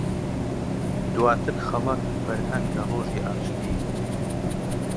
دواتر خەڵاتی فەرهەنگ لە ڕۆژی ئاشتی